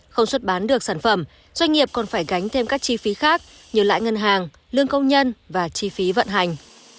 không xuất bán được sản phẩm doanh nghiệp còn phải gánh thêm các chi phí khác như lãi ngân hàng lương công nhân và chi phí vận hành